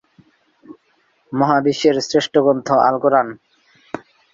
নিচে তার পেশাজীবন শুরু করেন একজন ভাষাতাত্ত্বিক হিসেবে।